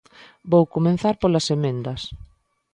Vou comezar polas emendas.